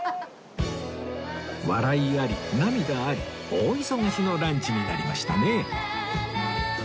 笑いあり涙あり大忙しのランチになりましたね